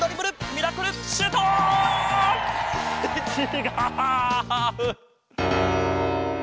ミラクルシュート！ってちがう！